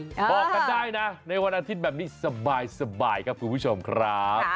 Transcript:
บอกกันได้นะในวันอาทิตย์แบบนี้สบายครับคุณผู้ชมครับ